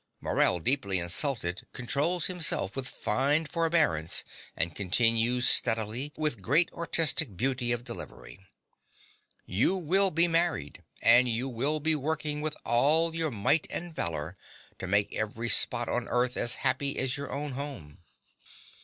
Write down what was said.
Morell, deeply insulted, controls himself with fine forbearance, and continues steadily, with great artistic beauty of delivery) You will be married; and you will be working with all your might and valor to make every spot on earth as happy as your own home.